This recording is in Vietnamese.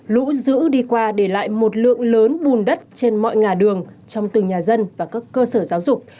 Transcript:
lũ dữ đi qua để lại một lượng lớn bùn đất trên mọi ngà đường trong từng nhà dân và các cơ sở giáo dục